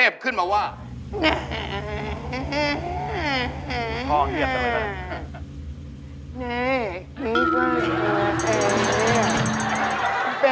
เอาออกมาเอาออกมาเอาออกมา